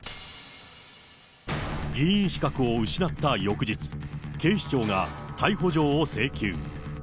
議員資格を失った翌日、警視庁が逮捕状を請求。